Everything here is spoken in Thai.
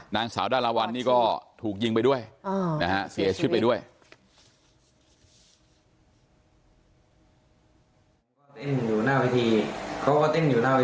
นางสาวดาราวัลนี่ก็ถูกยิงไปด้วยนะฮะเสียชีวิตไปด้วย